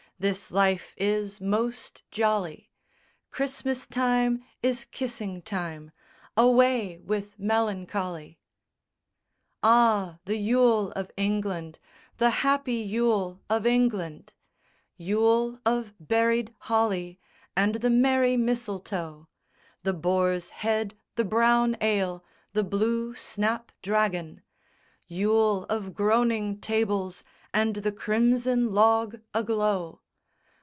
This life is most jolly!" Christmas time is kissing time, Away with melancholy!_ II _Ah, the Yule of England, the happy Yule of England, Yule of berried holly and the merry mistletoe; The boar's head, the brown ale, the blue snapdragon, Yule of groaning tables and the crimson log aglow!